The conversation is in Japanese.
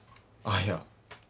ああいや。